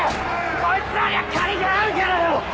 こいつらには借りがあるからよ！